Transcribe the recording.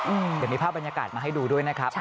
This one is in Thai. เดี๋ยวมีภาพบรรยากาศมาให้ดูด้วยนะครับ